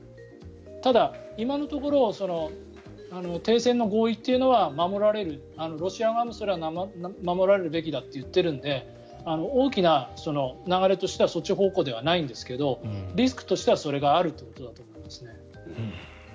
ただ、今のところ停戦の合意というのは守られるロシア側もそれは守られるべきだと言っているので大きな流れとしてはそっち方向ではないんですけどリスクとしてはそれがあるということだと思います。